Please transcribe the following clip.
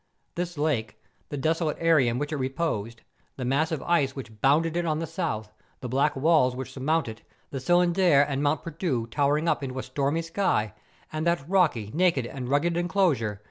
This lake, the desolate area in which it reposed, the mass of ice which bounded it on the south, the black walls which surmount it, the Cylindre and Mont Perdu towering up into a stormy sky, and that rocky, naked, and rugged enclosure, from one ■X ':^ 'r Jj::t'/4^ ■/.^.